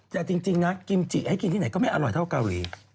แต่จริงนะกิมจิให้กินที่ไหนก็ไม่อร่อยเท่าเกาหลี